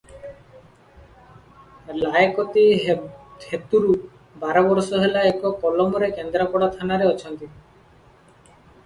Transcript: ଲାଏକତୀ ହେତୁରୁ ବାର ବରଷ ହେଲା ଏକ କଲମରେ କେନ୍ଦ୍ରାପଡ଼ା ଥାନାରେ ଅଛନ୍ତି ।